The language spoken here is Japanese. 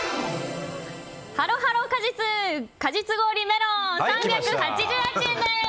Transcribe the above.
ハロハロ果実氷メロン３８８円です。